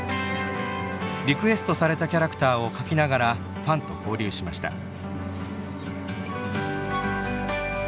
リクエストされたキャラクターを描きながらファンと交流しました。